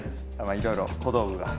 いろいろ小道具が。